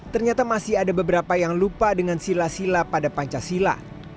ternyata masih ada beberapa yang lupa dengan sila sila pada pancasila